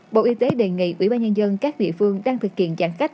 bộ y tế đề nghị ủy ban nhân dân các địa phương đang thực hiện giãn cách